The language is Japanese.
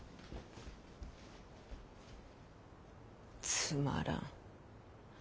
つまらん。